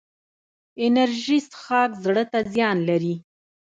انرژي څښاک زړه ته زیان لري